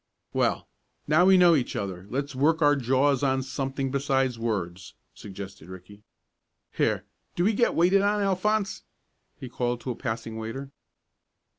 "Well, now we know each other let's work our jaws on something besides words," suggested Ricky. "Here, do we get waited on, Alphonse?" he called to a passing waiter.